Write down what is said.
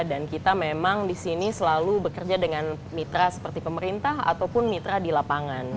dan kita memang disini selalu bekerja dengan mitra seperti pemerintah ataupun mitra di lapangan